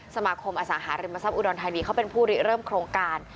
สมาคมอสังหาริมทรัพอุดรธานีเขาเป็นผู้ริเริ่มโครงการ